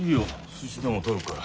すしでも取るから。